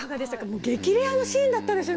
もう激レアのシーンだったでしょ